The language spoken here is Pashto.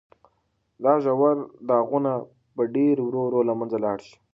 دا ژور داغونه به په ډېرې ورو ورو له منځه لاړ شي.